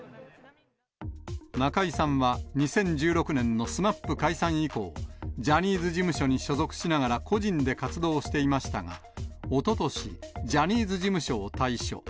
中居さんは、２０１６年のＳＭＡＰ解散以降、ジャニーズ事務所に所属しながら個人で活動していましたが、おととし、ジャニーズ事務所を退所。